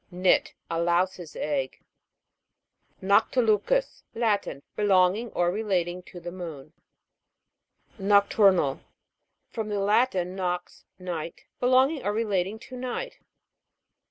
NIT. A louse's egg. NOCTILU'CUS. Latin. Belonging or relating to the moon. NOCTUR'NAL. From the Latin, nox, night. Belonging or relating to night.